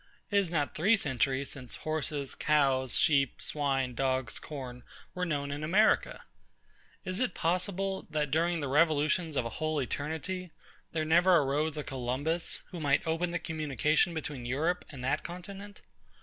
It is not three centuries since horses, cows, sheep, swine, dogs, corn, were known in AMERICA. Is it possible, that during the revolutions of a whole eternity, there never arose a COLUMBUS, who might open the communication between EUROPE and that continent?